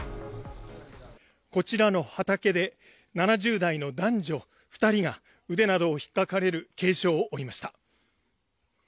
こちらの畑で７０代の男女２人が腕などをひっかかれる軽傷を負いました。